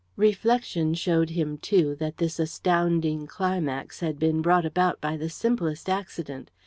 Reflection showed him, too, that this astounding climax had been brought about by the simplest accident.